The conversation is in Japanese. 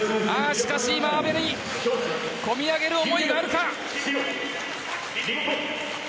しかし、阿部に込み上げる思いがあるか。